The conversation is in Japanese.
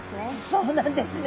そうなんですね。